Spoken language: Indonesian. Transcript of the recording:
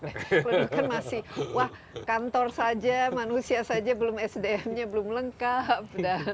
anda kan masih wah kantor saja manusia saja belum sdm belum lengkap